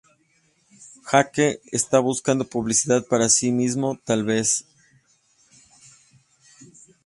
Jake está buscando publicidad para sí mismo, tal vez.